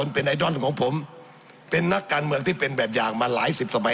เป็นไอดอลของผมเป็นนักการเมืองที่เป็นแบบอย่างมาหลายสิบสมัย